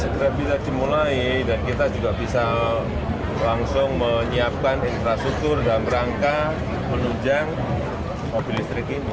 kita mulai dan kita juga bisa langsung menyiapkan infrastruktur dan rangka menunjang mobil listrik ini